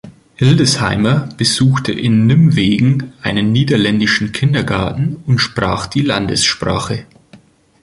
Hildesheimer besuchte in Nimwegen einen niederländischen Kindergarten und sprach die Landessprache.